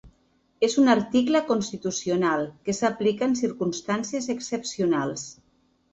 És un article constitucional que s’aplica en circumstàncies excepcionals.